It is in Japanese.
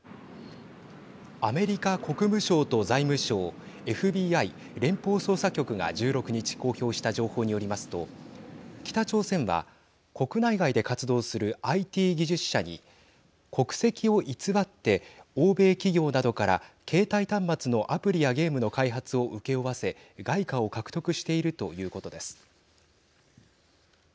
アメリカ国務省と財務省ＦＢＩ・連邦捜査局が１６日公表した情報によりますと北朝鮮は国内外で活動するＩＴ技術者に国籍を偽って欧米企業などから携帯端末のアプリやゲームの開発を請け負わせ外貨を獲得しているということです。